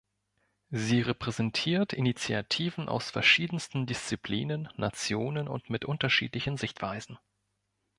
Sie repräsentiert Initiativen aus verschiedensten Disziplinen, Nationen und mit unterschiedlichen Sichtweisen.